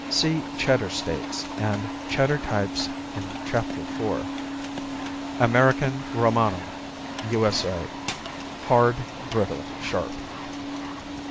See Cheddar states and Cheddar types in Chapter 4. Americano Romano U.S.A. Hard; brittle; sharp.